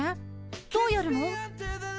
どうやるの？